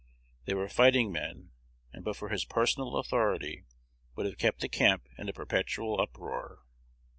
They were fighting men, and but for his personal authority would have kept the camp in a perpetual uproar.